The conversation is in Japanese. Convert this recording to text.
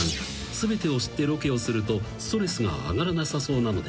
全てを知ってロケをするとストレスが上がらなさそうなので］